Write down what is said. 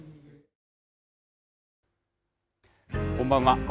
こんばんは。